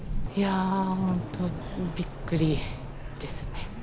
いやぁ、本当、びっくりですね。